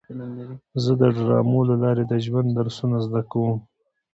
زه د ډرامو له لارې د ژوند درسونه زده کوم.